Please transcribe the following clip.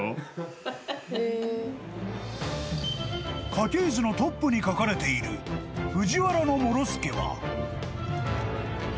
［家系図のトップに書かれている藤原師輔は］